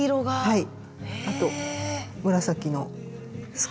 はい。